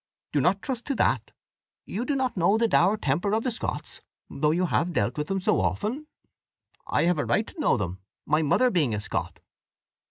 "Do not trust to that: you do not know the dour temper of the Scots, though you have dealt with them so often. I have a right to know them, my mother being a Scot."